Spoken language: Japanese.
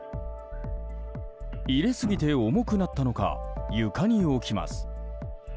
入れすぎて重くなったのか床に置きます。